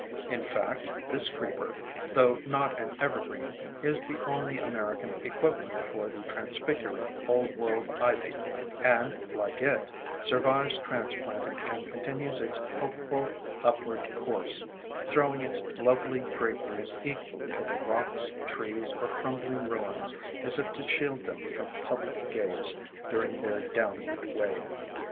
In fact, this creeper, though not an evergreen, is the only American equivalent for the transfiguring Old World Ivy, and, like it, survives transplanting and continues its hopeful upward 308 THE DRAPERY OF VINES course, throwing its lovely draperies equally over rocks, trees, or crumbling ruins as if to shield them from public gaze during their downward way.